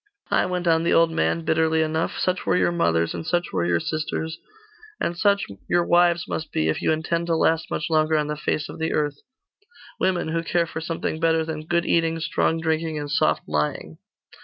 'Ay,' went on the old man, bitterly enough, 'such were your mothers; and such were your sisters; and such your wives must be, if you intend to last much longer on the face of the earth women who care for something better than good eating, strong drinking, and soft lying.